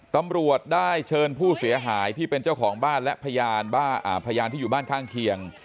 ตำรวจได้เชิญผู้เสียหายที่เป็นเจ้าของบ้านและพยานที่อยู่บ้านข้างเคียง